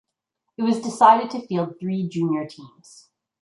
It was decided to field three junior teams.